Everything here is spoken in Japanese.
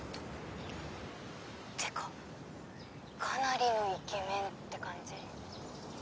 「ってかかなりのイケメンって感じ？」